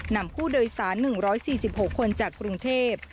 นำผู้โดยสาร๑๔๖คนจากกรุงเทพ